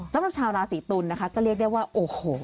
สำหรับชาวราศีตุลนะคะก็เรียกได้ว่าโอ้โห